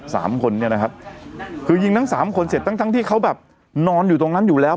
สามคนเนี่ยนะครับคือยิงทั้งสามคนเสร็จทั้งทั้งที่เขาแบบนอนอยู่ตรงนั้นอยู่แล้ว